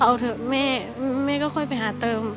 เอาเถอะแม่ก็ค่อยไปหาเติม